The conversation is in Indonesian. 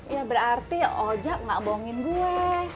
ya berarti oja gak bohongin gue